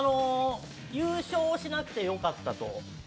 優勝しなくてよかったと。